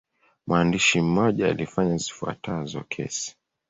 Mwandishi mmoja alifanya zifuatazo kesi.